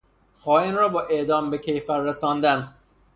خائن را با اعدام به کیفر رساندن